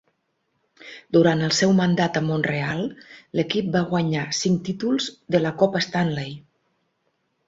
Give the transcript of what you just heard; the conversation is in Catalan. Durant el seu mandat amb Montreal, l'equip va guanyar cinc títols de la Copa Stanley.